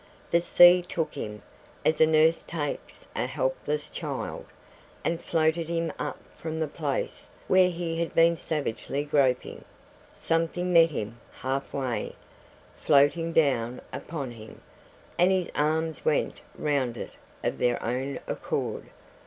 The sea took him, as a nurse takes a helpless child, and floated him up from the place where he had been savagely groping; something met him half way, floating down upon him, and his arms went round it of their own accord.